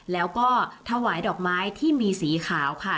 แล้วก็ถวายดอกไม้ที่มีสีขาวค่ะ